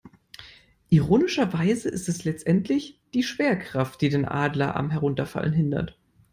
Ironischerweise ist es letztendlich die Schwerkraft, die den Adler am Herunterfallen hindert.